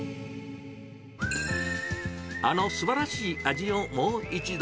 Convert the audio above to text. あの素晴らしい味をもう一度。